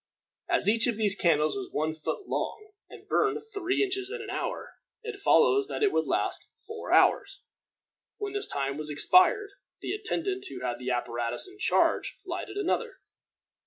As each of these candles was one foot long, and burned three inches in an hour, it follows that it would last four hours; when this time was expired, the attendant who had the apparatus in charge lighted another.